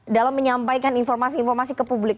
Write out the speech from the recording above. dalam menyampaikan informasi informasi ke publik